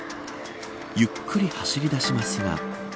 ゆっくり走り出しますが。